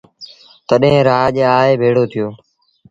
تڏهيݩ رآڄ آئي ڀيڙو ٿيو۔